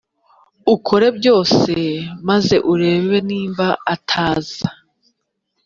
ukore byose maze urebe niba ataza